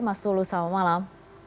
mas tulus selamat malam